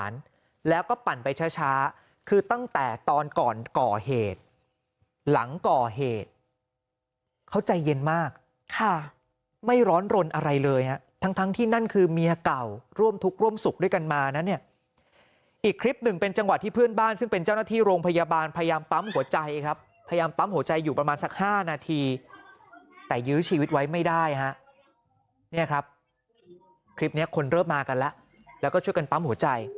นี่ทั้งที่นั่นคือเมียเก่าร่วมทุกข์ร่วมสุขด้วยกันมานะเนี่ยอีกคลิปหนึ่งเป็นจังหวะที่เพื่อนบ้านซึ่งเป็นเจ้าหน้าที่โรงพยาบาลพยายามปั๊มหัวใจครับพยายามปั๊มหัวใจอยู่ประมาณสัก๕นาทีแต่ยื้อชีวิตไว้ไม่ได้ฮะเนี่ยครับคลิปนี้คนเริ่มมากันแล้วแล้วก็ช่วยกันปั๊มหัวใจ